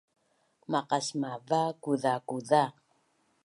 maqasmava kuzakuza